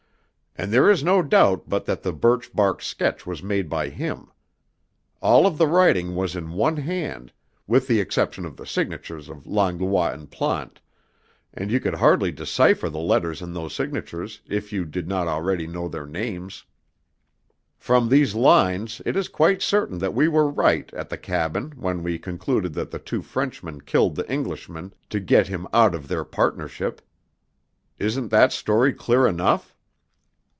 "And there is no doubt but that the birch bark sketch was made by him. All of the writing was in one hand, with the exception of the signatures of Langlois and Plante, and you could hardly decipher the letters in those signatures if you did not already know their names. From these lines it is quite certain that we were right at the cabin when we concluded that the two Frenchmen killed the Englishman to get him out of the partnership. Isn't that story clear enough?"